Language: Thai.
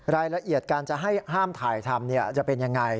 รายละเอียดการจะให้ห้ามถ่ายทำจะเป็นยังไง